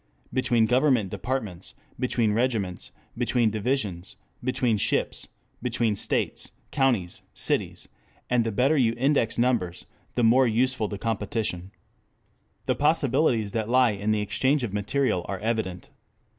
] between government departments; between regiments; between divisions; between ships; between states; counties; cities; and the better your index numbers the more useful the competition. 6 The possibilities that lie in the exchange of material are evident.